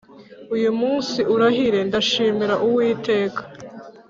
uyu munsi urahari, ndashimira uwiteka.